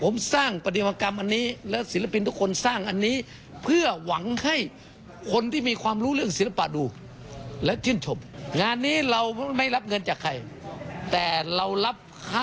บ้างกันนะครับ